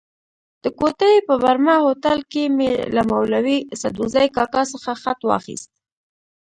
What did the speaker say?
د کوټې په برمه هوټل کې مې له مولوي سدوزي کاکا څخه خط واخیست.